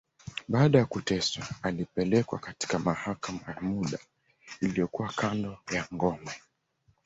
Baada ya kuteswa, alipelekwa katika mahakama ya muda, iliyokuwa kando ya ngome.